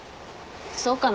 そうかな？